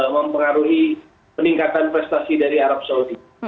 mempengaruhi peningkatan prestasi dari arab saudi